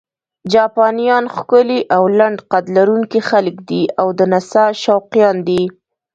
جاپانیان ښکلي او لنډ قد لرونکي خلک دي او د نڅا شوقیان دي.